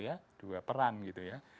ya dua peran gitu ya